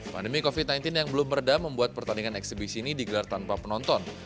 pandemi covid sembilan belas yang belum meredah membuat pertandingan eksebisi ini digelar tanpa penonton